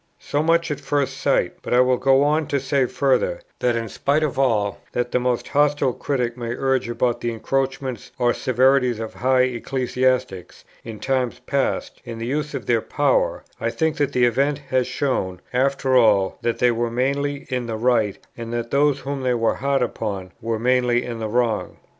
So much at first sight; but I will go on to say further, that, in spite of all that the most hostile critic may urge about the encroachments or severities of high ecclesiastics, in times past, in the use of their power, I think that the event has shown after all, that they were mainly in the right, and that those whom they were hard upon were mainly in the wrong.